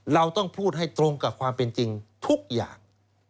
เราต้องพูดให้ตรงกับความเป็นจริงทุกอย่าง